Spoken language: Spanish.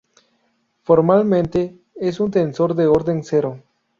Formalmente es un tensor de orden cero.